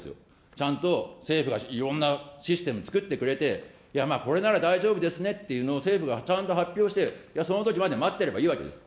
ちゃんと政府がいろんなシステム作ってくれて、いやまあ、これなら大丈夫ですねっていうのを政府がちゃんと発表して、いや、そのときまで待ってればいいわけです。